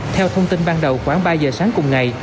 theo thông tin ban đầu khoảng ba giờ sáng cùng ngày